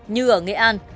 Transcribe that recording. như ở nghệ an